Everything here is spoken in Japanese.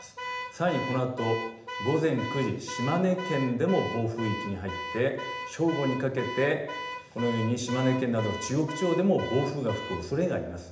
さらに、このあと午前９時、島根県でも暴風域に入って正午にかけてこのように島根県など中国地方でも暴風が吹くおそれがあります。